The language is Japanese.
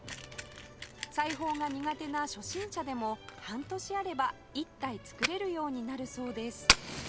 裁縫が苦手な初心者でも半年あれば１体作れるようになるそうです